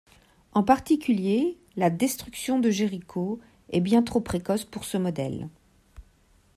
En particulier la destruction de Jéricho est bien trop précoce pour ce modèle.